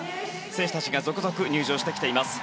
選手たちが続々入場してきています。